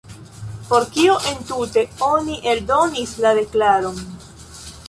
Por kio entute oni eldonis la deklaron?